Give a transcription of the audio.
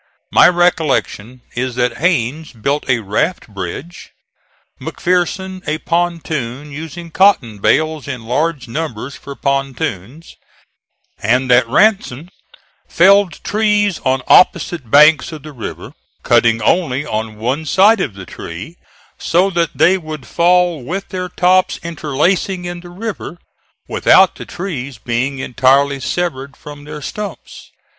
My recollection is that Hains built a raft bridge; McPherson a pontoon, using cotton bales in large numbers, for pontoons; and that Ransom felled trees on opposite banks of the river, cutting only on one side of the tree, so that they would fall with their tops interlacing in the river, without the trees being entirely severed from their stumps.